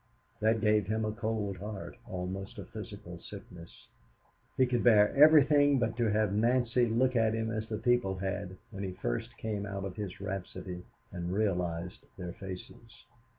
That gave him a cold heart, almost a physical sickness. He could bear everything but to have Nancy look at him as the people had when he first came out of his rhapsody and realized their faces.